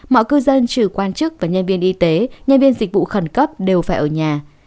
mọi cư dân trừ quan chức và nhân viên y tế nhân viên dịch vụ khẩn cấp đều phải ở nhà